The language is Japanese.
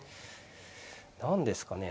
何ですかね。